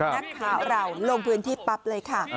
นักข่าวเราลงพื้นที่ปั๊บเลยค่ะ